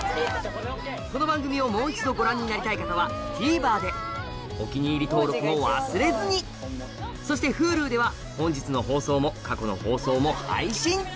・この番組をもう一度ご覧になりたい方はＴＶｅｒで「お気に入り」登録も忘れずにそしてＨｕｌｕでは本日の放送も過去の放送も配信中